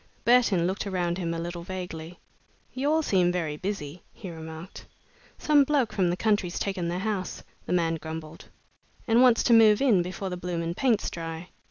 Burton looked around him a little vaguely. "You all seem very busy," he remarked. "Some bloke from the country's taken the 'ouse," the man grumbled, "and wants to move in before the blooming paint's dry.